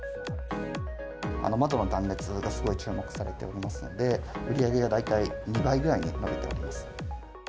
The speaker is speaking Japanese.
窓の断熱がすごい注目されておりますので、売り上げが大体、２倍ぐらいに伸びております。